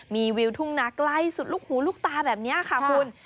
มีวิวทุ่งนาใกล้สุดลูกหูลูกตาแบบนี้ค่ะคุณ